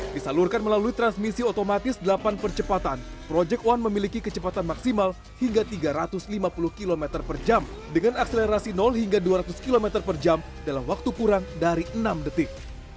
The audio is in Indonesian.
disalurkan melalui transmisi otomatis delapan percepatan project one memiliki kecepatan maksimal hingga tiga ratus lima puluh km per jam dengan akselerasi hingga dua ratus km per jam dalam waktu kurang dari enam detik